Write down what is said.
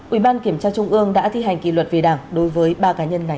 ubnd đã thi hành kỷ luật về đảng đối với ba cá nhân này